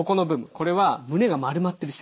これは胸が丸まってる姿勢。